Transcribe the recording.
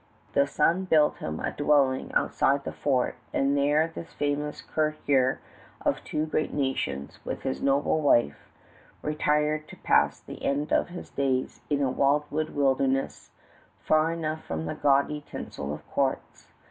The son built him a dwelling outside the fort; and there this famous courtier of two great nations, with his noble wife, retired to pass the end of his days in a wildwood wilderness far enough from the gaudy tinsel of courts.